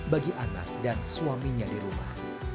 bagi anak dan suaminya di rumah